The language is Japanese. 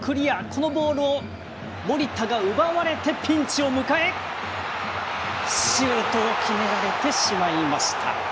このボールを守田が奪われてピンチを迎え、シュートを決められてしまいました。